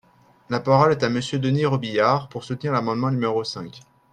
La parole est à Monsieur Denys Robiliard, pour soutenir l’amendement numéro cinq.